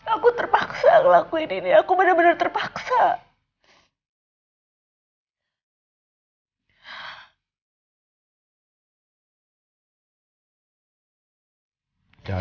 aku terpaksa ngelakuin ini aku benar benar terpaksa